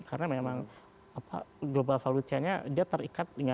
karena memang global valuacenya dia terikat dengan